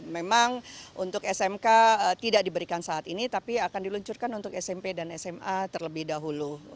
memang untuk smk tidak diberikan saat ini tapi akan diluncurkan untuk smp dan sma terlebih dahulu